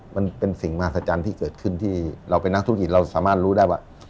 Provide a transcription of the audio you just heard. มันเป็นสิ่งมหัศจรรย์ที่เกิดขึ้นที่เราเป็นนักธุรกิจเราสามารถรู้ได้ว่า